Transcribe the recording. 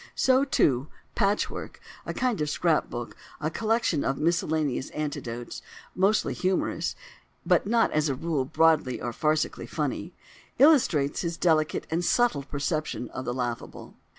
So, too, "Patchwork"—a kind of scrap book, a collection of miscellaneous anecdotes, mostly humorous, but not as a rule broadly or farcically funny—illustrates his delicate and subtle perception of the laughable.